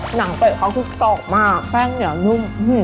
หนังเป็ดเขาคือตกมากแป้งเหนียวนุ่ม